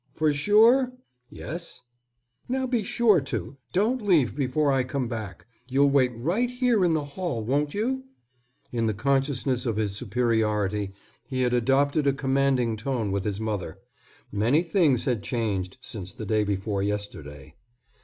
"For sure?" "Yes." "Now be sure to. Don't leave before I come back. You'll wait right here in the hall, won't you?" In the consciousness of his superiority he had adopted a commanding tone with his mother. Many things had changed since the day before yesterday.